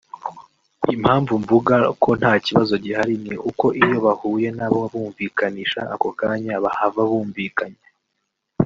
Impamvu mvuga ko nta kibazo gihari ni uko iyo bahuye n’ababumvikanisha ako kanya bahava bumvikanye